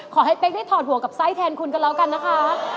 เป๊กได้ถอดหัวกับไส้แทนคุณกันแล้วกันนะคะ